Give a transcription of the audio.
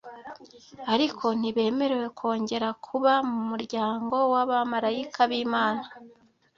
Ariko ntibemerewe kongera kuba mu muryango w’abamarayika b’Imana